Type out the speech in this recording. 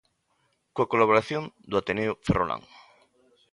Coa colaboración do Ateneo Ferrolán.